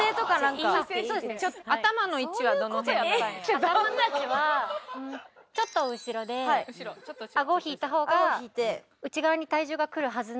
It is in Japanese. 頭の位置はちょっと後ろであごを引いた方が内側に体重がくるはずなんですよね。